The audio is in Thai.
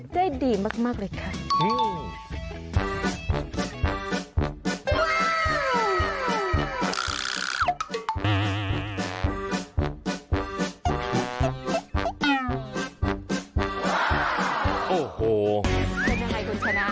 เป็นยังไงคุณชนะ